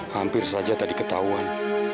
hampir saja tadi ketahuan